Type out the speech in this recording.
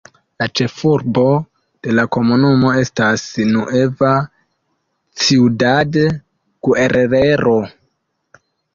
La ĉefurbo de la komunumo estas Nueva Ciudad Guerrero.